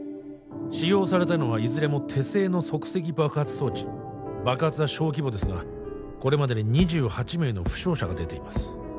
使用されたのはいずれも手製の即席爆発装置爆発は小規模ですがこれまでに２８名の負傷者が出ています